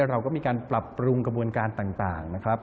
เราก็มีการปรับปรุงกระบวนการต่างนะครับ